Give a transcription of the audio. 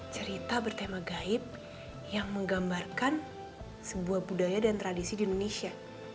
cerita bertema gaib yang menggambarkan sebuah budaya dan tradisi di indonesia